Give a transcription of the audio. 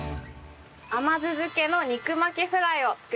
甘酢漬けの肉巻きフライを作ります。